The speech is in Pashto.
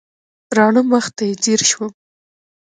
راڼه مخ ته یې ځېر شوم.